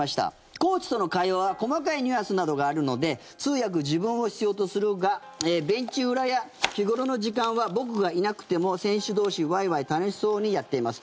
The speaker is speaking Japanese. コーチとの会話は細かいニュアンスなどがあるので通訳、自分を必要とするがベンチ裏や日頃の時間は僕がいなくても、選手同士ワイワイ楽しそうにやっています